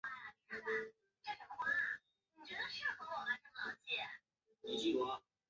尚药局是自宫廷内主管药品的官职发展而来的机构。